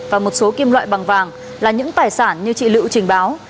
và một số kim loại bằng vàng là những tài sản như chị lựu trình báo